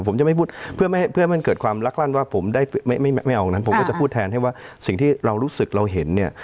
ผมจะไม่พูดเพื่อไม่เพื่อให้มันเกิดความลักลั่นว่าผมได้ไม่เอานั้นผมก็จะพูดแทนให้ว่าสิ่งที่เรารู้สึกเราเห็นเนี่ย